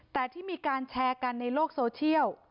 แต่ที่มีการแชร์กันในโลกโซเชียล